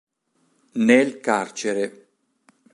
Nel carcere.